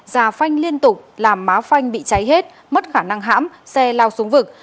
già phanh liên tục làm má phanh bị cháy hết mất khả năng hãm xe lao xuống vực